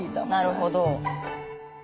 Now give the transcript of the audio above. なるほど。